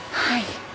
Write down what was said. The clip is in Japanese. はい。